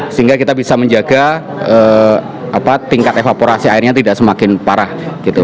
sehingga kita bisa menjaga tingkat evaporasi airnya tidak semakin parah gitu